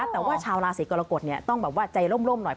แต่ว่าชาวลาศรีกรกฎต้องใจร่มหน่อย